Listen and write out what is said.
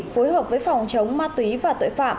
phối hợp với phòng chống ma túy và tội phạm